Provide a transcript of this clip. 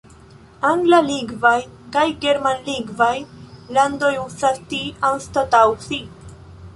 Anglalingvaj kaj germanlingvaj landoj uzas "ti" anstataŭ "si".